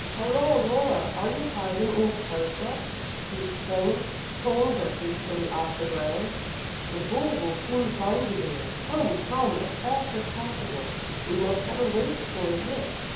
"Hollo, Laura! are you hiding in a cart rut?" he exclaimed, pulling her hastily off the ground. "The bull will soon find you there! Come! come! as fast as possible! we must have a race for it yet!